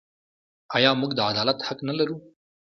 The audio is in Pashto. آیا موږ د عدالت حق نلرو؟